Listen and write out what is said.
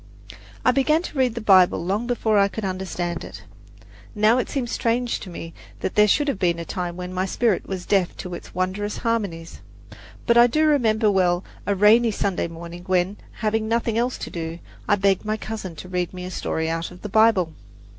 I began to read the Bible long before I could understand it. Now it seems strange to me that there should have been a time when my spirit was deaf to its wondrous harmonies; but I remember well a rainy Sunday morning when, having nothing else to do, I begged my cousin to read me a story out of the Bible.